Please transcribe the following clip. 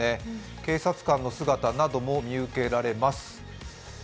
警察官の姿なども見受けられます。